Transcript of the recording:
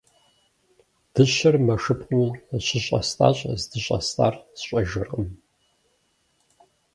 Дыщэр мэшыпкъэм щыщӏэстӏащ, здыщӏэстӏар сщӏэжыркъым.